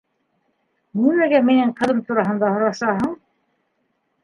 Нимәгә минең ҡыҙым тураһында һоращаһың?